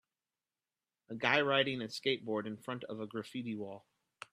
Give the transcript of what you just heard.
A guy riding a skateboard in front of a graffiti wall